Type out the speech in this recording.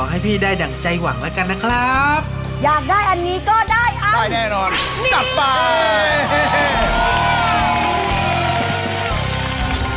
ได้เยอะได้น้อยไม่เป็นไรแต่เป็นกำลังใจให้กันแล้วนะครับ